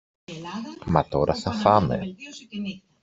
Μα τώρα θα φάμε!